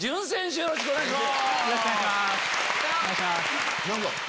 よろしくお願いします。